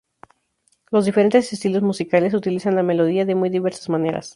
Los diferentes estilos musicales utilizan la melodía de muy diversas maneras.